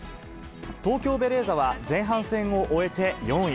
東京ベレーザは前半戦を終えて４位。